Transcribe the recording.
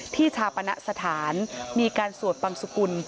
ชาปณะสถานมีการสวดบังสุกุล